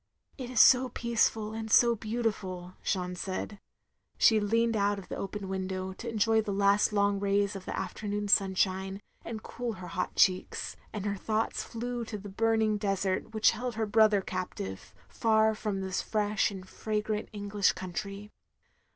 "It is so peaceful and so beautiful," Jeanne said. She leaned out of the open window, to OP GROSVENOR SQUARE 273 enjoy the last long rays of the afternoon stinshine, and cool her hot cheeks; and her thoughts flew to the burning desert which held her brother captive, far from this fresh and fragrant English country.